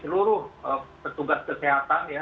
seluruh petugas kesehatan